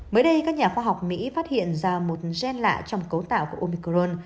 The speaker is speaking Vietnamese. mới đây các nhà khoa học mỹ phát hiện ra một gen lạ trong cấu tạo của omicron